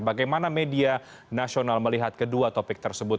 bagaimana media nasional melihat kedua topik tersebut